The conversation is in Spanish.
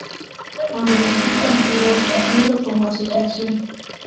Aun así, continuó existiendo como asociación.